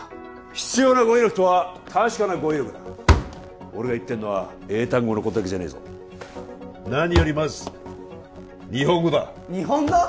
必要な語彙力とは確かな語彙力だ俺が言ってんのは英単語のことだけじゃねえぞ何よりまず日本語だ日本語！？